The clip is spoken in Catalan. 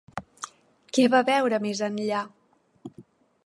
Què va veure més enllà?